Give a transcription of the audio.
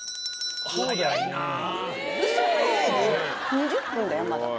２０分だよ、まだ。